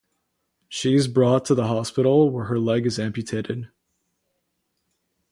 She is brought to hospital, where her leg is amputated.